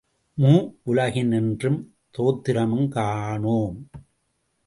மூவுலகினின்றும் தோத்திரமுங் காணோம்.